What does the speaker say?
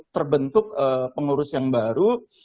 terbentuk pengurus yang baru